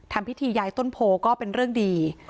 ทำพิธีย้ายต้นโพก็เป็นเรื่องดี